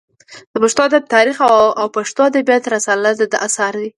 د پښتو ادب تاریخ او پښتو ادبیات رساله د ده اثار دي.